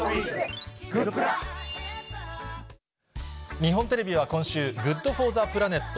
日本テレビは今週、ＧｏｏｄＦｏｒｔｈｅＰｌａｎｅｔ、